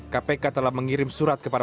kpk telah mengirim surat kepada